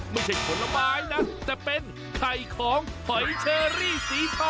ไม่ใช่ผลไม้นะแต่เป็นไข่ของหอยเชอรี่สีทอง